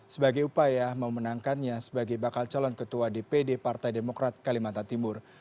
sebagai upaya memenangkannya sebagai bakal calon ketua dpd partai demokrat kalimantan timur